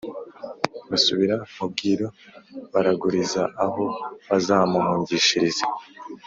basubira mu bwiru, baraguriza aho bazamuhungishiriza